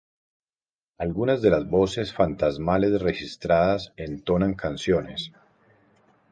Algunas de las voces fantasmales registradas entonan canciones